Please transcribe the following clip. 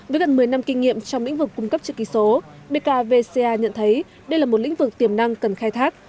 với gần một mươi năm kinh nghiệm trong lĩnh vực cung cấp chữ ký số bkvca nhận thấy đây là một lĩnh vực tiềm năng cần khai thác